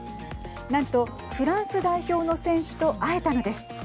なんと、フランス代表の選手と会えたのです。